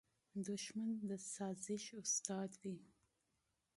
دښمن د سازش استاد وي